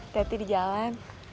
teti di jalan